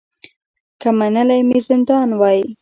که منلی مي زندان وای